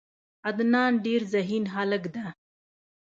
عدنان ډیر ذهین هلک ده.